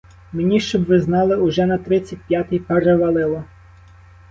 Мені, щоб ви знали, уже на тридцять п'ятий перевалило.